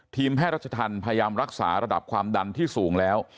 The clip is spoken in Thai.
ทีมแพทย์รัชธรรมพยายามรักษาระดับความดันที่สูงแล้ว